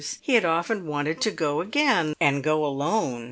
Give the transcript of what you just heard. He had often wanted to go again, and go alone.